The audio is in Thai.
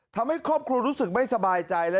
ทำให้ครอบครัวรู้สึกไม่สบายใจ